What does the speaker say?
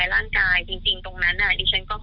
มันขับไปไหนไม่ได้หรอก